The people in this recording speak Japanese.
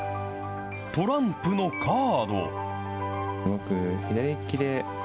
トランプのカード。